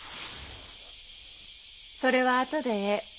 それは後でええ。